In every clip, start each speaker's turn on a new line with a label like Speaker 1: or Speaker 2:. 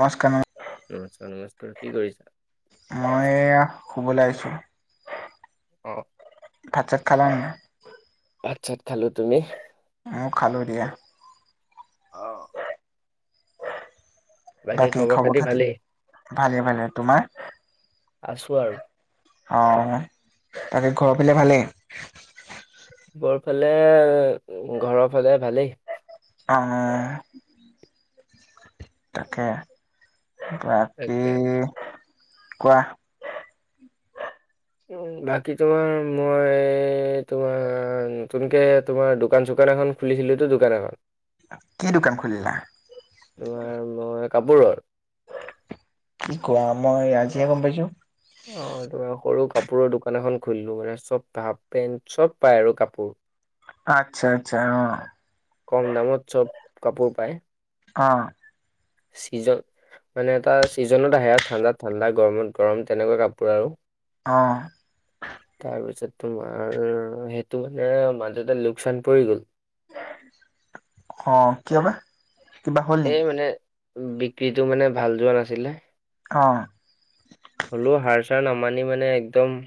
Speaker 1: নমস্কাৰ ন
Speaker 2: নমস্কাৰ নমস্কাৰ কি কৰিছা
Speaker 1: মই এয়া শুবলৈ আহিছোঁ
Speaker 2: অ
Speaker 1: ভাত চাত খালা নাই?
Speaker 2: ভাত চাত খালো তুমি
Speaker 1: উ খালোঁ দিয়া
Speaker 2: অ
Speaker 1: বাকী খবৰ খাতি ভালে ভালে তোমাৰ
Speaker 2: আছো আৰু
Speaker 1: অঁ, তাকে ঘৰৰ ফালে ভালেই,
Speaker 2: ঘৰ ফালে ঘৰৰ ফালে ভালেই,
Speaker 1: অঁ, তাকে বাকি
Speaker 2: তাকে
Speaker 1: কোৱা!
Speaker 2: বাকী তোমাৰ মই তোমাৰ নতুনকে তোমাৰ দোকান চোকান এখন, খুলিছিলোঁতো দোকান এখন [unintelligible]
Speaker 1: কি দোকান খুলিলা,
Speaker 2: তোমাৰ মই কাপোৰৰ,
Speaker 1: কি কোৱা মই আজিহে গম পাইছো!
Speaker 2: অঁ, সৰু কাপোৰৰ দোকান এখন খুলিলো মানে চব পেণ্ট চব পাই আৰু কাপোৰ,
Speaker 1: আচ্ছা আচ্ছা অঁ,
Speaker 2: কম দামত চব কাপোৰ পায়!
Speaker 1: অঁ
Speaker 2: চিজন [unintelligible] মানে এটা ছিজনত আহে আৰু ঠাণ্ডাত ঠাণ্ডা গৰমত গৰম তেনেকুৱা কাপোৰ আৰু,
Speaker 1: অঁ,
Speaker 2: তাৰ পিছত তোমাৰ সেইটো মানে মাজতে লোকচান পৰি গ'ল!
Speaker 1: অঁ, কিয় বা, কিবা হ'ল নেকি
Speaker 2: এই মানে বিক্ৰীটো মানে ভাল যোৱা নাছিলে!
Speaker 1: অঁ
Speaker 2: গলো সাৰ চাৰ নামানি মানে একদম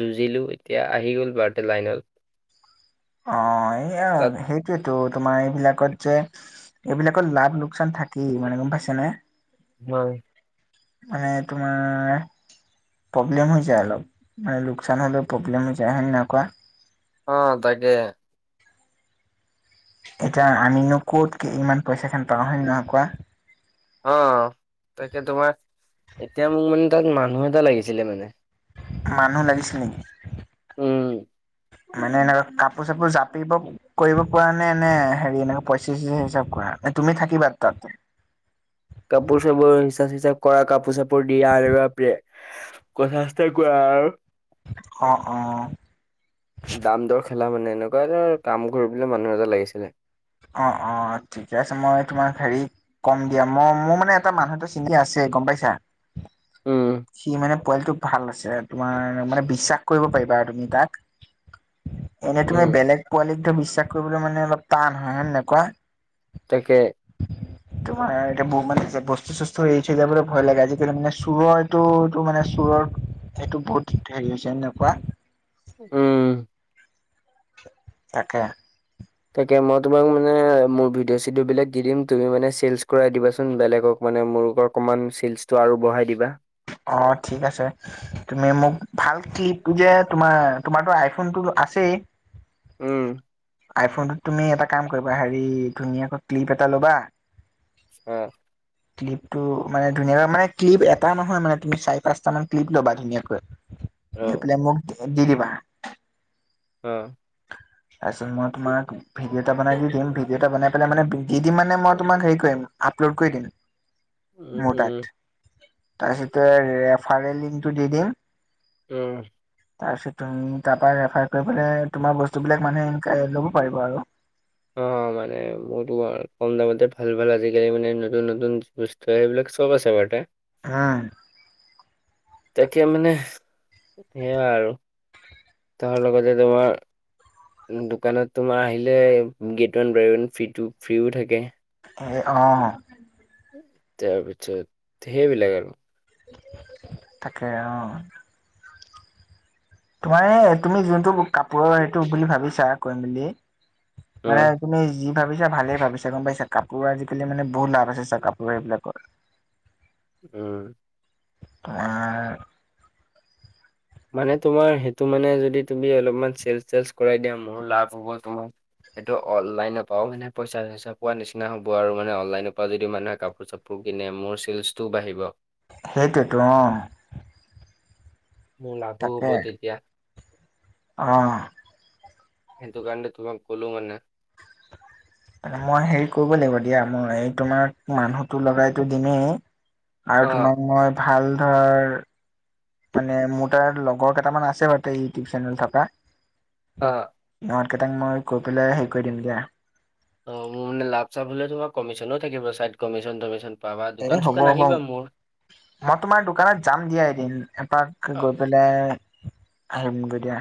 Speaker 2: যুঁজিলো এতিয়া আহি গল বাৰটে লাইনত
Speaker 1: অঁ, এইয়া
Speaker 2: তাত
Speaker 1: সেইটোয়েতো তোমাৰ এইবিলাকত যে, এইবিলাকৰ লাভ লোকচান থাকেই মানে গম পাইছানে,
Speaker 2: অ
Speaker 1: মানে তোমাৰ, প্ৰব্লেম হৈ যায় অলপ মানে লোকচান হ'লে প্ৰব্লেম হৈ যায় হয়নে নয় কোৱা
Speaker 2: অঁ, তাকে
Speaker 1: এতিয়া আমিনো কত ইমান পইচা খান পাওঁ হেয়নে নয় কোৱা,
Speaker 2: অঁ, তাকে তোমাৰ এতিয়া মোক মানে তাত মানুহ এটা লাগিছিলে মানে?
Speaker 1: মানুহ লাগিছিল নেকি,
Speaker 2: উম
Speaker 1: মানে এনেকুৱা কাপোৰ চাপোৰ জাপিব, কৰিব পৰা নে এনে হেৰি এনেকে পইচা চইচা হিচাপ কৰা তুমি থাকিবা তাত!
Speaker 2: কাপোৰ চাপোৰ হিচাপ চিচাপ কৰা কাপোৰ চাপোৰ দিয়া আৰ এবা প্ৰে কথা চথা কোৱা আৰু,
Speaker 1: অঁ, অঁ
Speaker 2: দাম দৰ খেলা মানে এনেকুৱা এটা কাম কৰিবলে মানুহ এটা লাগিছিলে,
Speaker 1: অ অ ঠিকে আছে মই তোমাক হেৰি কম দিয়া মই মোৰ মানে এটা মানুহ এটা চিনকি আছে গম পাইছা
Speaker 2: উম
Speaker 1: সি মানে পোৱালীটো ভাল আছে তোমাৰ মানে বিশ্বাস কৰিব পাৰিবা আৰু তুমি তাক এনেই তুমি
Speaker 2: উম
Speaker 1: বেলেগ পোৱালিক ত বিশ্বাস কৰিবলৈ মানে অলপ টান হয় হয়নে নয় কোৱা
Speaker 2: তাকে,
Speaker 1: তোমাৰ এতিয়া বো মান বস্তু চস্তু এৰি থৈ যাবলৈ ভয় লাগে! আজিকালি মানে চোৰৰ, এইটো টো মানে চোৰৰ এইটো বহুত হেৰি হৈছে হয় নাই কোৱা,
Speaker 2: উম
Speaker 1: তাকে
Speaker 2: তাকে মই তোমাক মানে মোৰ ভিডিঅ' চিডিঅ' বিলাক দি দিম তুমি মানে চেলচ কৰাই দিবাচোন বেলেগক মানে মোৰকৰ অকমান চেলচটো আৰু বঢ়াই দিবা
Speaker 1: অ ঠিক আছে তুমি মোক ভাল ক্লিপ উলিয়াই তোমাৰ তোমাৰটো আইফোন টো আছেই
Speaker 2: উম
Speaker 1: আইফোনটোত তুমি এটা কাম কৰিবা হেৰি ধুনীয়াকৈ ক্লিপ এটা ল'বা
Speaker 2: অহ
Speaker 1: [inaudible] ক্লিপটো মানে ধুনীয়াকৈ মানে ক্লিপ এটা নহয় মানে তুমি চাৰি পাচটামান ক্লিপ ল'বা ধুনীয়াকৈ
Speaker 2: অ
Speaker 1: লয় পেলাই মোক দি দিবা
Speaker 2: উম
Speaker 1: তাৰছত মই তোমাক ভিডিঅটা বনাই দি দিম ভিডিঅ'টা বনাই পেলাই মানে দি দিম মানে মই তোমাক হেৰি কৰিম আপলোড কৰি দিম
Speaker 2: উম
Speaker 1: মোৰ
Speaker 2: উম
Speaker 1: তাত তাৰপিছতে ৰেফাৰেলিংকটো দি দিম
Speaker 2: উম
Speaker 1: তাৰপিছত তুমি তাৰ পৰা ৰেফাৰ কৰি পেলাই তোমাৰ বস্তু বিলাক মানুহ এনেকা ল'ব পাৰিব আৰু
Speaker 2: অ মানে মোৰতো কম দামতে ভাল ভাল আজিকালি মানে নতুন নতুন বস্তু সেইবিলাক চব আছে বাৰতে
Speaker 1: হাঁ।
Speaker 2: তাকে মানে, সেইয়া আৰু। তাৰ লগতে তোমাৰ ওঁ দোকানত তোমাৰ আহিলে গেট ৱান বায় ৱান ফ্ৰীটো ফ্ৰীও থাকে।
Speaker 1: আহে অঁ।
Speaker 2: তাৰপিছত সেইবিলাক আৰু।
Speaker 1: তাকে, অঁ। তোমাৰে এ তুমি যোনটো মোক্ কাপোৰৰ সেইটো বুলি ভাবিছা কৰিম বুলি
Speaker 2: অ
Speaker 1: মানে তুমি যি ভাবিছা ভালেই ভাবিছা গম পাইছা। কাপোৰ আজিকালি মানে বহুত লাভ আছে ছা কাপোৰ সেইবিলাকত। [inaudible]
Speaker 2: উম।
Speaker 1: আঁ।
Speaker 2: মানে, তোমাৰ সেইটো মানে যদি তুমি অলপমান চেলছ- টেলছ কৰাই দিয়া মোৰো লাভ হ'ব। তোমাৰ এইটো অনলাইনৰ পৰাও মানে পইচা-চইচা পোৱা নিচিনা হ'ব আৰু। মানে, অনলাইনৰ পৰা যদি মানুহে কাপোৰ-চা পোৰ কিনে মোৰ চিলছটো বাঢ়িব।
Speaker 1: সেইটোৱেটো অঁ।
Speaker 2: মোৰ লাভো
Speaker 1: তাকে
Speaker 2: হ'ব তেতিয়া।
Speaker 1: অঁ, আঁহ্।
Speaker 2: সেইটো কাৰণে তোমাক ক'লো মানে।
Speaker 1: মই হেৰি কৰিব লাগিব দিয়া। মই এই তোমাক মানুহটো লগাইটো দিমেই আৰু
Speaker 2: অ
Speaker 1: তোমাক মই ভাল ধৰ মানে, মোৰ তাত লগৰ কেইটামান আছে বাৰু টেই ইউটিউব চেনেল থকা।
Speaker 2: অ'।
Speaker 1: সিহঁত কেইটাক মই কৈ পেলাই হেৰি কৰি দিম দিয়া।
Speaker 2: অঁ, মোৰ মানে লাভ-চাপ হ'লে তোমাৰ কমিচনো থাকিব। চাইড কমিচন-তমিচন।
Speaker 1: এতিয়া হ'ব বাও। মই তোমাৰ দোকানত যাম দিয়া এদিন। এপাককে গৈ পেলাই আহিমগৈ দিয়া।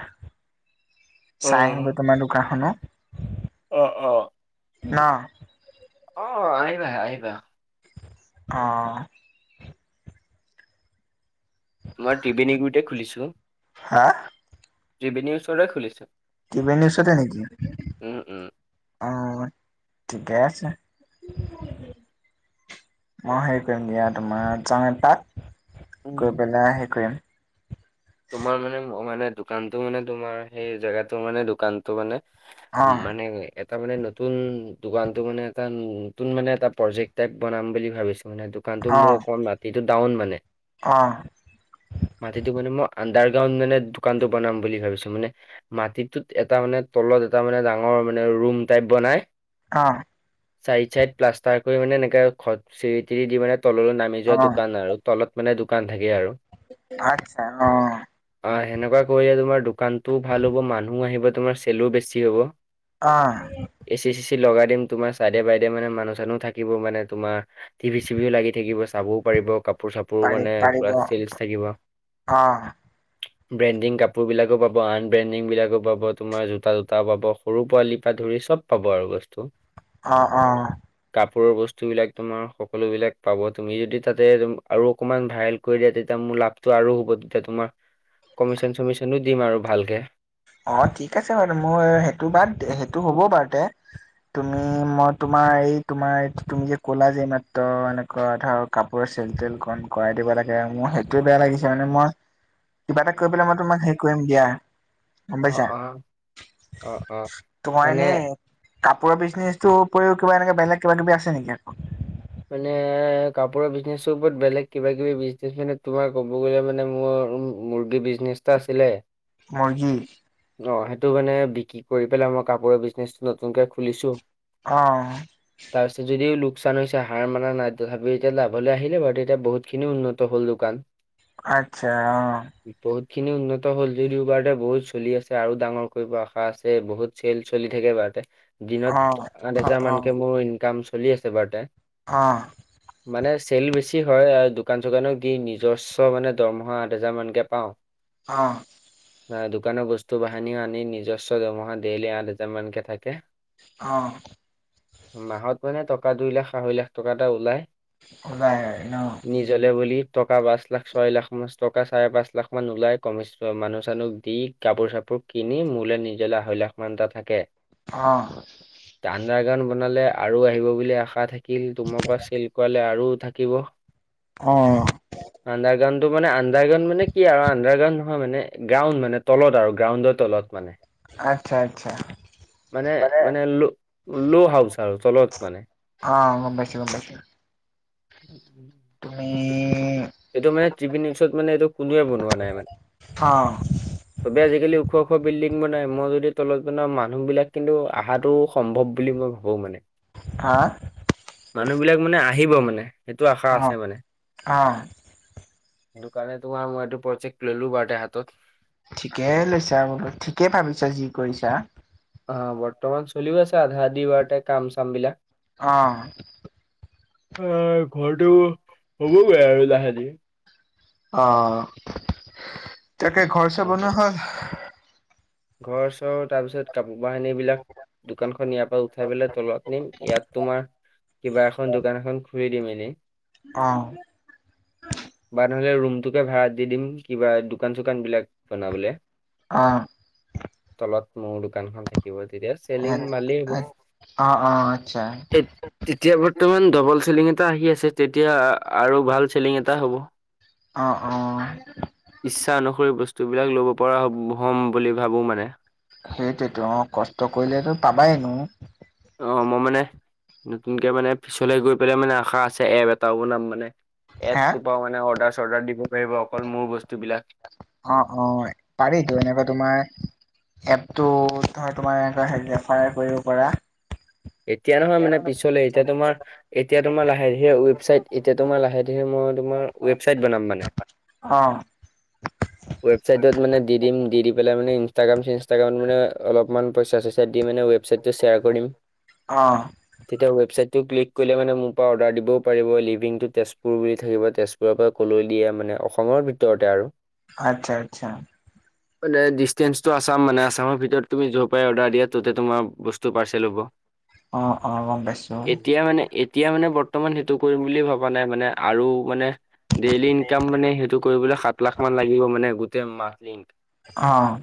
Speaker 2: অ
Speaker 1: চাই আহিমগৈ তোমাৰ দোকানখনো।
Speaker 2: অঁ, অঁ।
Speaker 1: না
Speaker 2: অঁ, আহিবা আহিবা।
Speaker 1: অঁ।
Speaker 2: মই ত্ৰিবেণীগুৰিতে খুলিছোঁ,
Speaker 1: হা
Speaker 2: ত্ৰিবেণীৰ ওচৰতে খুলিছোঁ।
Speaker 1: ত্ৰিবেনীৰ ওচৰতে নেকি? অঁ, হয় ঠিকে আছে। মই হেৰি কৰিম দিয়া তোমাৰ যাম তাত
Speaker 2: উম।
Speaker 1: গৈ পেলাই হেৰি কৰিম।
Speaker 2: তোমাৰ মানে, মই মানে দোকানটো মানে তোমাৰ সেই জেগাটো মানে দোকান টো মানে
Speaker 1: অ
Speaker 2: উম মানে এ টা মানে, নতুন দোকানটো মানে এটা নতুন মানে এটা প্ৰজেক্ট টাইপ বনাম বুলি ভাবিছো। মানে দো কানটো মোৰ অকণ মাটিটো ডাউন মানে।
Speaker 1: অঁ।
Speaker 2: মাটিটো মানে মোৰ আণ্ডাৰগ্ৰাউণ্ড মানে, দোকানটো বনাম বুলি ভাবিছোঁ। মানে মাটিটোত এটা মানে, তলত এটা মানে ডাঙৰ মানে ৰুম টাইপ বনাই
Speaker 1: আঁহ্।
Speaker 2: চাইড চাইড প্লাষ্টাৰ কৰি মানে, এনেকে খত চিৰি-তিৰি দি মানে, তললৈ নামি
Speaker 1: অ
Speaker 2: যোৱা দোকান আৰু। তলত মানে দোকান থাকে আৰু।
Speaker 1: আচ্ছা অ'।
Speaker 2: অ সেনেকুৱা কৰিলে তোমাৰ দোকানটোও ভাল হ'ব মানুহো আহিব তোমাৰ চেলো বেছি হ'ব।
Speaker 1: অ'।
Speaker 2: এ চি চি চি লগাই দিম তোমাৰ চাইদে বাইদে মানে মানুহ চানু থাকিব মানে তোমাৰ, টিভি চিভিও লাগি থাকিব চাবও পাৰিব কাপোৰ চাপোৰো
Speaker 1: পাৰি
Speaker 2: মানে
Speaker 1: পাৰিব
Speaker 2: পুৰা চেলচ থাকিব।
Speaker 1: অ'।
Speaker 2: ব্ৰেণ্ডিং কাপোৰবিলাকো পাব আন ব্ৰেণ্ডিংবিলাকো পাব তোমাৰ জোতা টোতাও পাব সৰু পোৱালিৰ পৰা ধৰি চব, পাব আৰু বস্তু।
Speaker 1: অ', অ
Speaker 2: কাপোৰৰ বস্তু বিলাক তোমাৰ সকলোবিলাক পাব তুমি যদি তাতে আৰু অকণমান ভাইৰেল, কৰি দিয়া তেতিয়া মোৰ লাভটো আৰু হ'ব তেতিয়া তোমাৰ কমিশন চমিশনো দিম আৰু ভালকে।
Speaker 1: অ ঠিক আছে বাৰু মোৰ সেইটো বাদ সেইটো হ'ব বাৰু তে, তুমি মই তোমাৰ এই তোমাৰ তুমি যে ক'লা যে মাত্ৰ এনেকুৱা ধৰক, কাপোৰ চেল তেল কণ কৰাই দিব লাগে আৰু মোৰ সেইটোে বেয়া লাগিছে মানে মই, কিবা এটা কৰিব পেলাই মই তোমাক হেৰি কৰিম দিয়া। গম
Speaker 2: অ
Speaker 1: পাইছা
Speaker 2: অ অ অ
Speaker 1: তোমাৰ
Speaker 2: মানে
Speaker 1: এনেই, কাপোৰৰ বিজনেছ টো উপৰিও কিবা এনেকে বেলেগ কিবাি কিবি আছে নেকি আকৌ,
Speaker 2: মানে কাপোৰৰ বিজনেছৰ ওপৰত বেলেগ কিবা কিবি বিজনেচ মানে তোমাৰ ক'ব গলে মানে মোৰ, মুৰ্গী বিজনেছ এটা আছিলে।
Speaker 1: মূৰ্গী?
Speaker 2: অ সেইটো কাৰণে বিক্ৰী কৰি পেলাই মই কাপোৰৰ বিজনেচটো নতুনকে খুলিছো।
Speaker 1: অ'।
Speaker 2: তাৰপিছত যদিও লোকচান হৈছে, এতিয়া হাৰ মানা নাই তথাপিও যে লাভলৈ আহিলে বাৰু এতিয়া বহুতখিনি উন্নত হ'ল দোকান।
Speaker 1: আছা অ,
Speaker 2: বহুত খিনি উন্নত হ'ল, যদিও বাৰতা বহুত চলি আছে আৰু ডাঙৰ কৰিব আশা আছে বহুত। চেল চলি থাকে এবাৰতে
Speaker 1: অ',
Speaker 2: দিনত আঠ
Speaker 1: অ',
Speaker 2: হেজাৰ
Speaker 1: অ',
Speaker 2: মানকে মোৰ ইনকাম চলি আছে এবাৰতে।
Speaker 1: অহ
Speaker 2: মানে চেল বেছি হয় আৰু দোকান চোকানক দি নিজস্ব মানে দৰমহা আঠ হোজাৰ মানকে পাওঁ।
Speaker 1: অ
Speaker 2: আ দোকানৰ বস্তু বাহিনি আনি নিজস্ব দৰমহা ডেইলি আঠ হাজাৰ মানকে থাকে।
Speaker 1: অঁ'।
Speaker 2: মাহত মানে টকা দুই লাখ আঢ়ৈ লাখ টকা এটা ওলাই।
Speaker 1: ওলাই ন?
Speaker 2: লে বুলি টকা পাঁচ লাখ ছয় লাখ মান টকা চাৰে পাঁচ লাখ মান ওলাই কমি মানুহ চানুক দি। কাপোৰ চাপোৰ কিনি মোলৈ নিজলৈ আঢ়ৈ লাখ মান এটা থাকে।
Speaker 1: অ'।
Speaker 2: আন্দ্দাৰ গান বনালে আৰু আহিব বুলি আশা থাকিল তোমাৰ পৰা চেল কৰালে আৰু থাক থাকিব,
Speaker 1: অ অ
Speaker 2: আণ্ডাৰগ্ৰাণ্ডটো মানে আণ্ডাৰগ্ৰাণ মানে কি আৰু আণ্ডাৰগ্ৰাণ্ড নহয় মানে। গ্ৰাউণ্ড মানে তলত আৰু গ্ৰাউণ্ডৰ তলত মানে।
Speaker 1: আচ্ছা আচ্ছা
Speaker 2: মানে মানে লো লো হাউচ আৰু তলত মানে।
Speaker 1: অ অ গম পাইছো গম পাইছো।
Speaker 2: [inaudible]
Speaker 1: তুমি
Speaker 2: এইটো মানে তিপিনিউচত মানে এইটো কোনোৱে বনোৱা নাই মানে।
Speaker 1: অ',
Speaker 2: চবে আজিকালি ওখ ওখ বিল্ডিং বনাই মই যদি তলত বনাওঁ মানুহ বিলাক কিন্তু আহাটো স সম্ভৱ বুলি মই ভাবো মানে।
Speaker 1: হা
Speaker 2: মানুহবিলাক মানে আহিব মানে সেইটো আশা আছে
Speaker 1: অ',
Speaker 2: মানে।
Speaker 1: অ
Speaker 2: দোকানেটো আও মই এইটো প্ৰজেক্ট ললো বাৰু দে হাতত
Speaker 1: ঠিকেই লৈছা বোলো ঠিকে ভাবিছা যি কৰিছা।
Speaker 2: অ বৰ্তমান চলিও আছে আধা আধি বাৰু এতিয়া কাম চাম বিলাক।
Speaker 1: অ
Speaker 2: অ ঘৰটো হ'বগৈ আৰু লাহে ধীয়ে
Speaker 1: অ তাকে ঘৰ-চব বনোৱা হল?
Speaker 2: ঘৰ-চৰ তাৰপিছত কাপোৰ বাহিনী বিলাক দোকানখন ইয়াৰ পৰা উঠাই পেলাই তলত নিম ইয়াত তোমাৰ কিবা এখন দোকান এখন খুলি দিম এনে
Speaker 1: অ
Speaker 2: বা নহলে ৰুমতোকে ভাড়াত দি দিম কিবা দোকান-চোকান বিলাক বনাবলে।
Speaker 1: অ
Speaker 2: তলত মোৰ দোকানখন থাকিব তেতিয়া চেলিং মালেই হ'ব
Speaker 1: অ', অ', আচ্ছা।
Speaker 2: এত তেতিয়া বৰ্তমান ডবল চেলিং এটা আহি আছে তেতিয়া আৰু ভাল চেলিং এটা হ'ব।
Speaker 1: অ অ
Speaker 2: ইচ্ছা অনুসৰি বস্তু বিলাক লব পৰা হব হ'ম বুলি ভাবো মানে।
Speaker 1: সেইটোয়েতো কষ্ট কৰিলেতো পাবাই এনো।
Speaker 2: অ মই মানে নতুনকে মানে পিছলে গৈ পেলেই মানে আশা আছে এপ এটাও বনাম মানে।
Speaker 1: হা?
Speaker 2: এপটোপাও মানে অৰ্ডাৰ-চৰ্ডাৰ দিব পাৰিব অকল মোৰ বস্তু বিলাক।
Speaker 1: অ অ পাৰিতো এনেকা তোমাৰ এপটো ধৰ তোমাৰ এনেকুৱা হেৰি ৰেফাৰ কৰিব পৰা
Speaker 2: এতিয়া নহয় মানে পিছলে এতিয়া তোমাৰ এতিয়া তোমাৰ লাহে-ধিৰে ৱেবচাইট এতিয়া তোমাৰ লাহে-ধিয়ে মই তোমাৰ ৱেবচাইট বনাম মানে।
Speaker 1: অ
Speaker 2: ৱেবচাইটত মানে দি দিম দি দি পেলাই মানে ইনষ্টাগ্ৰাম চিন ষ্টাগ্ৰামত মানে অলপমান পইচা-চইচা দি মানে ৱেবচাইটটো শ্বেয়াৰ কৰিম।
Speaker 1: অ
Speaker 2: তেতিয়া ৱেবচাইটটো ক্লিক কৰিলে মানে মোপা অৰ্ডাৰ দিবও পাৰিব লিভিং টু তেজপুৰ বুলি থাকিব তেজ পুৰৰ পৰা ক'লৈ দিয়ে মানে অসমৰ ভিতৰতে আৰু
Speaker 1: আটচ্ছা আটচ্ছা
Speaker 2: ডিচষ্টেন্ঞ্চটো আচাম মানে আচামৰ ভিতৰত তুমি যৰ পৰাই অৰ্ডাৰ দিয়ে ত'তে তোমাৰ বস্তু পাৰ্চেল হ'ব।
Speaker 1: অ অ গম পাইছোঁ।
Speaker 2: এতিয়া মানে এতিয়া মানে বৰ্তমান সেইটো কৰিম বুলি ভবা নাই মানে আৰু মানে ডেইলি ইনকাম মানে সেইটো কৰিবলৈ সাত লাখ মান লাগিব মানে গোটেই মাহটো ইন
Speaker 1: অ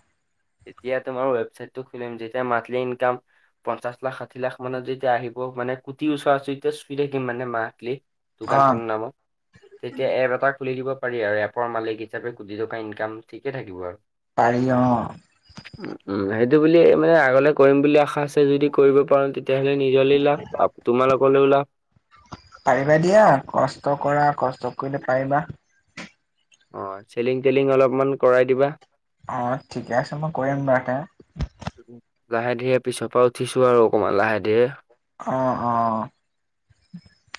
Speaker 2: এতিয়া তোমাৰ ৱেবচাইটো খোলিম যেতিয়া মান্থলি ইংকাম পঞ্চাছ লাখ, ষাঠ ষাঠি লাখ মানত যেতিয়া আহিব মানে কুটিৰ ওচৰ উচুৱাচিতে চুই থাকিম মানে মান্থলি
Speaker 1: অ',
Speaker 2: দোকানখন নামত।
Speaker 1: [inaudible]
Speaker 2: তেতিয়া এপ এটা খুলি দিব পাৰি আৰু এপৰ মালিক হিচাপে কোটি টকা ইনকম ঠিকে থাকিব আৰু।
Speaker 1: পাৰি অঁ।
Speaker 2: উম সেইটো বুলি মানে আগলে কৰিম বুলি আশা আছে যদি কৰিব পাৰো তেতিয়াহ'লে নিজলৈ লাভ তোমালোকলৈ লাভ।
Speaker 1: পাৰিবা দিয়া কষ্ট কৰা কষ্ট কৰিলে পাৰিবা।
Speaker 2: অঁ, চেলিং তেলিং অলপমান কৰাই দিবা।
Speaker 1: অঁ, ঠিকে আছে মই কৰিম বাৰুতে।
Speaker 2: লাহে ধীৰে পিছৰ পৰা উঠিছো আৰু অকনমান লাহে ধীৰে।
Speaker 1: অ' অ',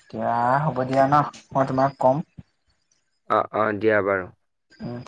Speaker 1: এতিয়া হ'ব দিয়া ন, মই তোমাক কম।
Speaker 2: অ' অ', দিয়া বাৰু।
Speaker 1: উম।